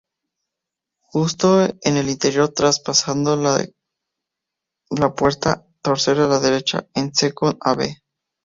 Justo en el interior traspasando la puerta, torcer a la derecha en "Second Ave.